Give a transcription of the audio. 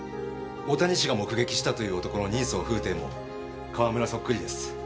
大谷氏が目撃したという男の人相風体も川村そっくりです。